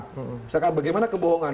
misalkan bagaimana kebohongan